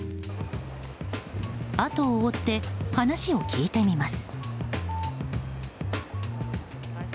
後を追って話を聞いてみます。